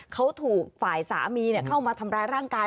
เขาถูกฝ่ายสามีเข้ามาทำร้ายร่างกาย